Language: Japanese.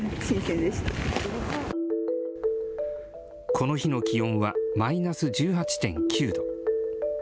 この日の気温はマイナス１８．９度。